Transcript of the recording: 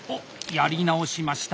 やり直しました。